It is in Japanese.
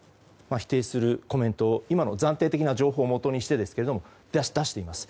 否定するコメントを今の暫定的な情報をもとにして出しています。